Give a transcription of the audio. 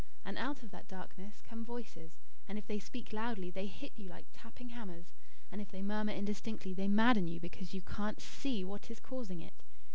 And out of that darkness come voices. And if they speak loudly, they hit you like tapping hammers; and if they murmur indistinctly, they madden you because you can't SEE what is causing it.